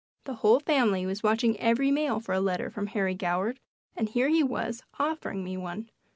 The whole family was watching every mail for a letter from Harry Goward and here he was offering me one!